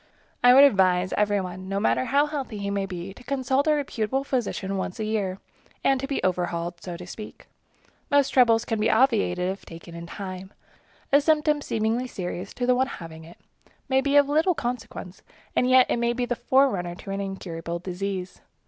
I would advise every one, no matter how healthy he may be, to consult a reputable physician once a year, and to be overhauled, so to speak. Most troubles can be obviated if taken in time. A symptom seemingly serious to the one having it may be of little consequence, and yet it may be the forerunner of an incurable disease.